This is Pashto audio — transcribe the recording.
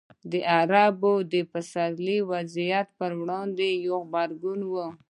د عرب پسرلی د دې وضعیت پر وړاندې یو غبرګون و.